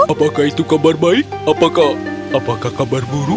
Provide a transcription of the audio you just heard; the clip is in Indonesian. apakah itu kabar baik apakah kabar buruk